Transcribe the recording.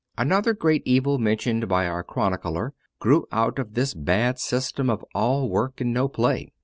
Another great evil mentioned by our chronicler grew out of this bad system of all work and no play.